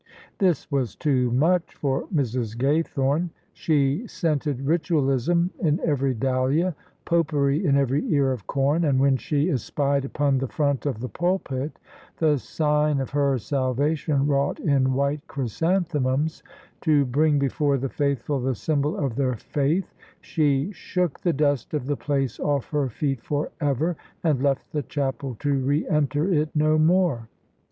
This was too much for THE SUBJECTION Mrs. Gaythorne. She scented Ritualism in every dahlia, Popery in every ear of corn: and when she espied upon the front of the pulpit the Sign of her Salvation wrought in white chrysanthemums, to bring before the faithful the S3anbol of their faith, she shook the dust of the place ofiE her feet for ever, and left the chapel to re enter it no more.